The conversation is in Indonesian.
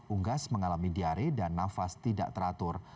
unggas mengalami diare dan nafas tidak teratur